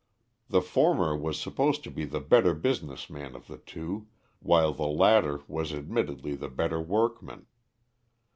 The former was supposed to be the better business man of the two, while the latter was admittedly the better workman.